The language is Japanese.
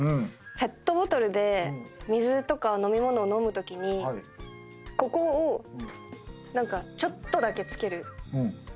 ペットボトルで水とか飲み物を飲むときにここを何かちょっとだけ付ける人いるじゃないですか。